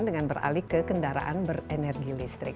dengan beralih ke kendaraan berenergi listrik